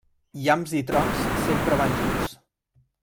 Llamps i trons sempre van junts.